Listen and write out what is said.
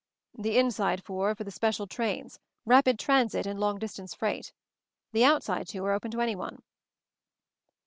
"The inside four are for the special trains —rapid transit and long distance freight. The outside two are open to anyone."